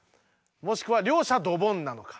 もしくは両者ドボンなのか。